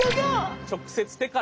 直接手から。